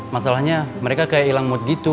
masalahnya mereka kayak hilang mood gitu